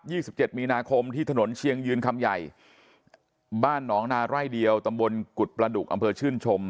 สิบเจ็ดมีนาคมที่ถนนเชียงยืนคำใหญ่บ้านหนองนาไร่เดียวตำบลกุฎประดุกอำเภอชื่นชม